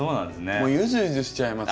もうゆずゆずしちゃいます。